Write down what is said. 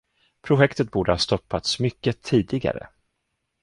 Projektet borde ha stoppats mycket tidigare